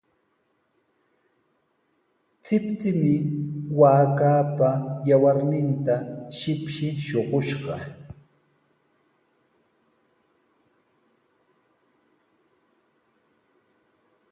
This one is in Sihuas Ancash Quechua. Chikchimi waakaapa yawarninta shipshi shuqushqa.